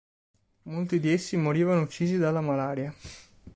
Molti di essi morivano uccisi dalla malaria.